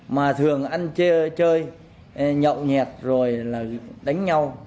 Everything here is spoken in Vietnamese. mà thường ăn chơi nhậu nhẹt rồi đánh nhau